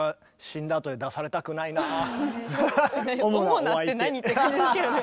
「主な」って何？って感じですけどね。